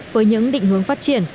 với những định hướng phát triển